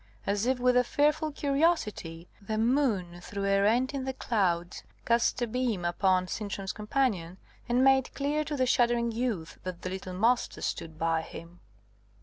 As if with a fearful curiosity, the moon, through a rent in the clouds, cast a beam upon Sintram's companion, and made clear to the shuddering youth that the little Master stood, by him.